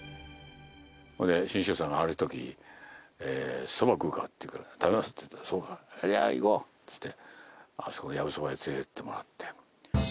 ５代目志ん生さんがあるとき、そば食うかっていうから、食べますって言ったら、そうか、じゃあ、行こうって言って、やぶそばに連れていってもらって。